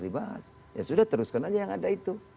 dibahas ya sudah teruskan aja yang ada itu